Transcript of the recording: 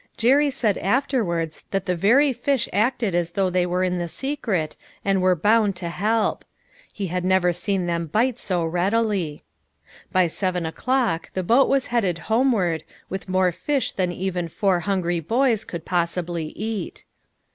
Jerry said afterwards that the very fish acted as though they were in the secret and were bound to help. He had never seen them bite so readily. By seven o'clock, the boat was headed home 208 LITTLE FISHERS : AND THEIR NETS. ward, with more fish than even four hungry boys could possibly eat.